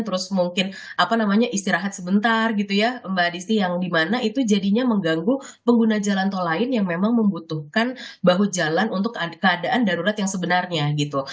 terus mungkin apa namanya istirahat sebentar gitu ya mbak desi yang dimana itu jadinya mengganggu pengguna jalan tol lain yang memang membutuhkan bahu jalan untuk keadaan darurat yang sebenarnya gitu